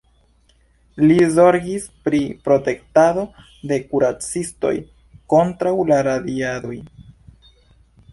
Li zorgis pri protektado de kuracistoj kontraŭ la radiadoj.